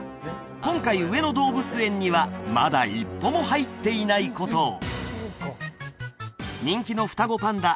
今回上野動物園にはまだ一歩も入っていないことを人気の双子パンダ